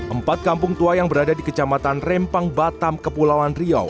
empat kampung tua yang berada di kecamatan rempang batam kepulauan riau